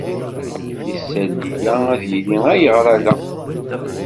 Isalli-a ad yili ayɣer ala.